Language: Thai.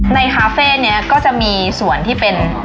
คาเฟ่นี้ก็จะมีส่วนที่เป็น